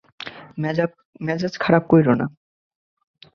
মেজাজ খারাপ কইরো না!